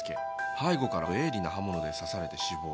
背後から鋭利な刃物で刺されて死亡。